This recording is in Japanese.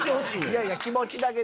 いやいや気持ちだけで。